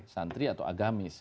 santri atau agamis